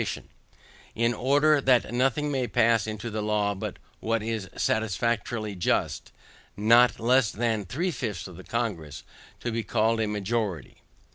And in order that nothing may pass into a law but what is satisfactorily just, not less than three fifths of the Congress to be called a majority.